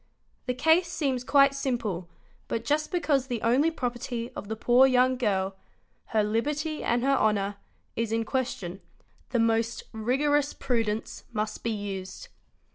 The case seems quite simple but just because the only property of the poor young girl—her liberty and her honour—is in question, the most rigorous prudence must be used.